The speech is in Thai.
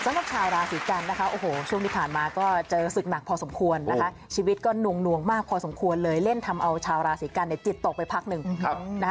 สำหรับชาวราศีกันนะคะโอ้โหช่วงที่ผ่านมาก็เจอศึกหนักพอสมควรนะคะชีวิตก็นวงมากพอสมควรเลยเล่นทำเอาชาวราศีกันเนี่ยจิตตกไปพักหนึ่งนะคะ